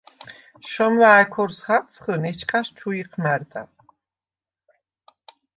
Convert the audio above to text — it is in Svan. შომვა̄̈ჲ ქორს ხაწხჷნ, ეჩქას ჩუ იჴმა̈რდა.